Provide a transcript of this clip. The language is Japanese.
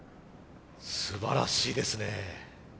すばらしいですね。